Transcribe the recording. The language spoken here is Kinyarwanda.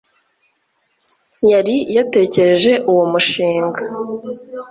yari yatekereje uwo mushinga